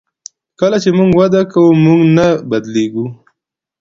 کله چې موږ وده کوو موږ نه بدلیږو.